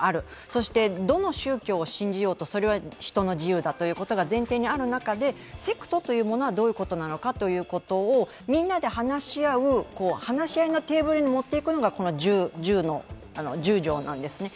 そしてどの宗教を信じようと、それは人の自由だということが前提にある中で、セクトというものはどういうものかというみんなで話し合う、話し合いのテーブルに持って行くのがこの１０条なんですね。